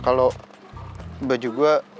kalau baju gue